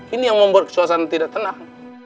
ini yang membuat suasana tidak tenang